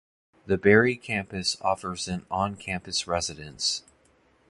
The Barrie Campus offers an on-campus residence.